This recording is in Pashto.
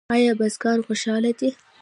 آیا بزګران خوشحاله دي؟